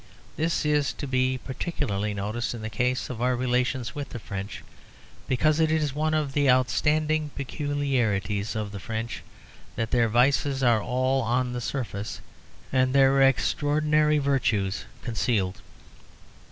This is to be particularly noticed in the case of our relations with the French, because it is one of the outstanding peculiarities of the French that their vices are all on the surface, and their extraordinary virtues concealed.